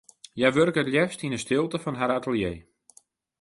Hja wurke it leafst yn 'e stilte fan har atelier.